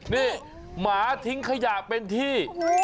นี่หมาทิ้งขยะเป็นที่